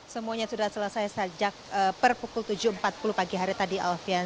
semuanya sudah selesai sejak per pukul tujuh empat puluh pagi hari tadi alfian